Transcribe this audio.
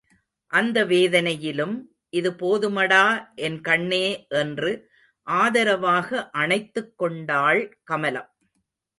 அந்த வேதனையிலும், இது போதுமடா என் கண்ணே என்று ஆதரவாக அணைத்துக் கொண்டாள் கமலம்.